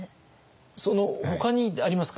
ほかにありますか？